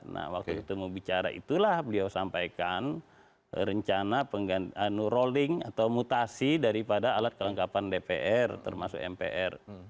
nah waktu itu mau bicara itulah beliau sampaikan rencana rolling atau mutasi daripada alat kelengkapan dpr termasuk mpr